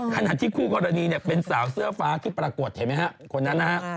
ขณะที่คู่กรณีเนี่ยเป็นสาวเสื้อฟ้าที่ปรากฏเห็นไหมฮะคนนั้นนะฮะ